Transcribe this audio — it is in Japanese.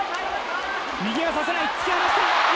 右が差せない、突き放した。